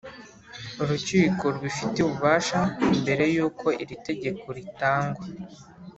Urukiko rubifitiye ububasha mbere y’ uko iri itegeko ritangwa